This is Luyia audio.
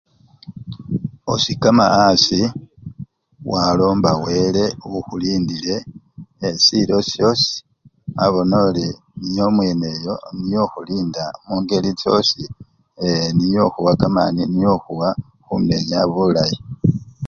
Osikama asii walomba wele okhulindile ee! silo syosi wabona ori niyo omweneyo niyo okhulinda mungeli chosi ee! niyo okhuwa kamani niyo okhuwa khumenya bulayi.